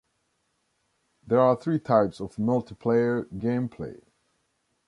There are three types of multiplayer gameplay.